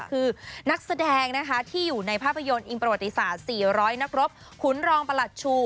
คือนักแสดงนะคะที่อยู่ในภาพยนตร์อิงประวัติศาสตร์๔๐๐นักรบขุนรองประหลัดชู